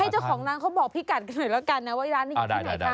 ให้เจ้าของนั้นเขาบอกพี่กันหน่อยแล้วกันนะว่าร้านนี้คือที่ไหนค่ะอ่าได้ค่ะ